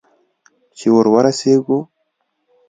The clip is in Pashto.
چې ور ورسېږو؟